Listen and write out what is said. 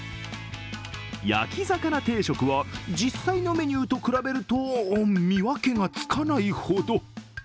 焼き魚定食は実際のメニューと比べると見分けがつかないほど。